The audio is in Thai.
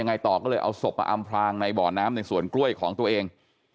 ไงต่อก็เลยเอาศพมาอำพลางในบ่อน้ำในสวนกล้วยของตัวเอง